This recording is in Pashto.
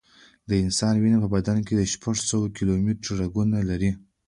د انسان وینه په بدن کې شپږ سوه کیلومټره رګونه لري.